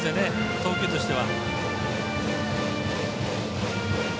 投球としては。